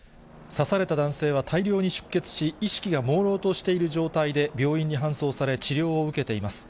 刺された男性は大量に出血し、意識がもうろうとしている状態で病院に搬送され、治療を受けています。